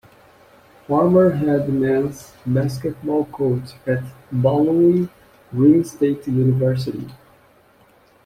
Former head men's basketball coach at Bowling Green State University.